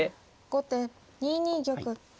後手２二玉。